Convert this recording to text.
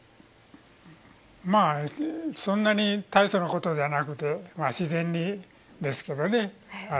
そんなにたいそうなことじゃなくて自然にですけどね。